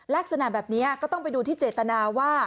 ลักษณะแบบนี้ก็ต้องไปดูที่เจตนาว่า